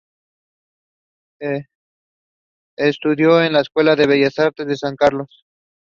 Estudió en la Escuela de Bellas Artes de San Carlos.